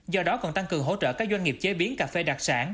do đó còn tăng cường hỗ trợ các doanh nghiệp chế biến cà phê đặc sản